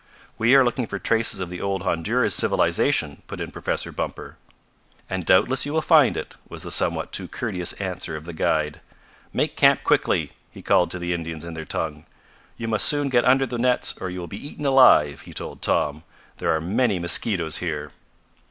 "We are looking for traces of the old Honduras civilization," put in Professor Bumper. "And doubtless you will find it," was the somewhat too courteous answer of the guide. "Make camp quickly!" he called to the Indians in their tongue. "You must soon get under the nets or you will be eaten alive!" he told Tom. "There are many mosquitoes here."